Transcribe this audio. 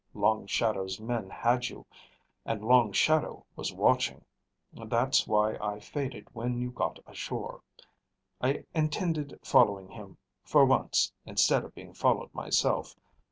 Long Shadow's men had you, and Long Shadow was watching. That's why I faded when you got ashore. I intended following him, for once, instead of being followed myself.